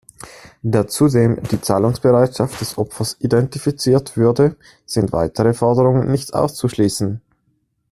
Da zudem die Zahlungsbereitschaft des Opfers identifiziert würde, sind weitere Forderungen nicht auszuschließen.